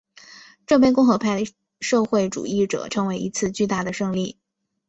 这被共和派和社会主义者称为一次巨大胜利。